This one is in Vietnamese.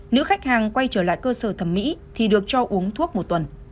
nữ khách hàng quay trở lại cơ sở thẩm mỹ thì được cho uống thuốc một tuần